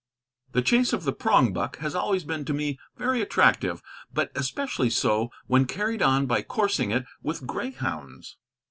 The chase of the prongbuck has always been to me very attractive, but especially so when carried on by coursing it with greyhounds.